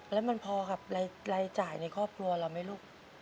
แล้วมันพอกับรายจ่ายในครอบครัวเราไหมลูก